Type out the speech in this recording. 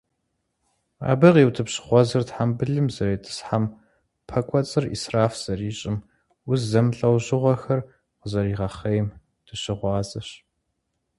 Абы къиутӀыпщ гъуэзыр тхьэмбылым зэритӀысхьэм, пэ кӀуэцӀыр Ӏисраф зэрищӀым, уз зэмылӀэужьыгъуэхэр къызэригъэхъейм дыщыгъуазэщ.